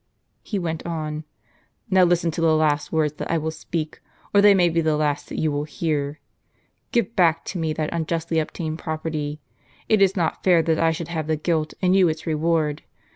He went on :" Now listen to the last words that I will speak, or they * Red paint. may be the last that you will heai'. Give back to me that unjustly obtained property; it is not fair that I should have the guilt, and you its reward.